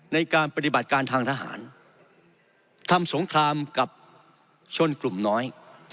ในการปฏิบัติการทางทหารทำสงครามกับชนกลุ่มน้อย